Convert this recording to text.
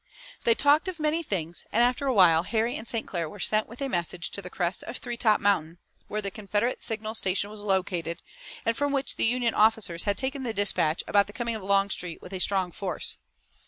They talked of many things, and after a while Harry and St. Clair were sent with a message to the crest of Three Top Mountain, where the Confederate signal station was located, and from which the Union officers had taken the dispatch about the coming of Longstreet with a strong force.